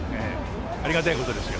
ありがたいことですよ。